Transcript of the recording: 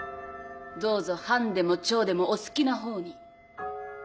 どうぞ半でも丁でもお好きな方に。